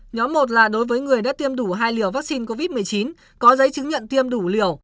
nhóm một là đối với người đã tiêm đủ hai liều vaccine covid một mươi chín có giấy chứng nhận tiêm đủ liều